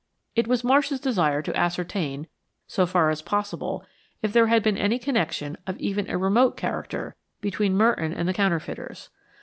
It was Marsh's desire to ascertain, so far as possible, if there had been any connection of even a remote character, between Merton and the counterfeiters.